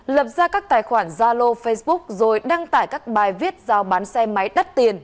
lập ra các tài khoản zalo facebook rồi đăng tải các bài viết giao bán xe máy đắt tiền